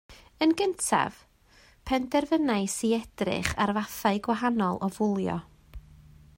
Yn gyntaf, penderfynais i edrych ar fathau gwahanol o fwlio